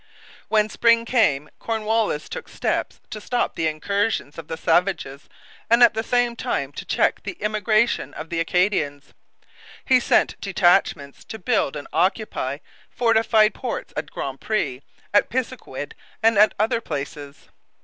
When spring came Cornwallis took steps to stop the incursions of the savages and at the same time to check the emigration of the Acadians. He sent detachments to build and occupy fortified posts at Grand Pre, at Pisiquid, and at other places.